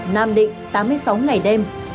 nam định tám mươi sáu ngày đêm